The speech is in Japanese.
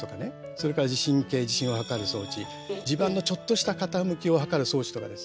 それから地震計地震をはかる装置地盤のちょっとした傾きをはかる装置とかですね